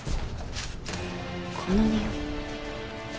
このにおい。